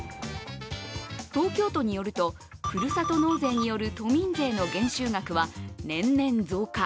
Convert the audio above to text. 東京都によると、ふるさと納税による都民税の減収額は年々増加。